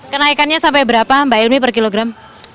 kenaikannya sampai berapa mbak ilmi per kilogram